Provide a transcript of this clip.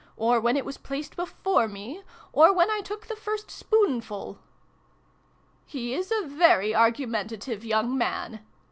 Or when it was placed before me ? Or when I took the first spoonful ?"" He is a very argumentative young man